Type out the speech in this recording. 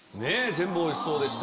全部おいしそうでした。